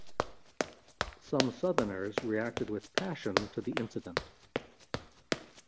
Some Southerners reacted with passion to the incident.